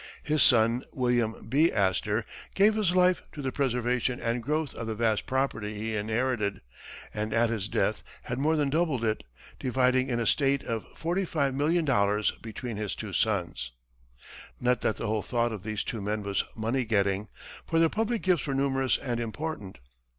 His son, William B. Astor, gave his life to the preservation and growth of the vast property he inherited, and at his death had more than doubled it, dividing an estate of $45,000,000 between his two sons. Not that the whole thought of these two men was money getting, for their public gifts were numerous and important.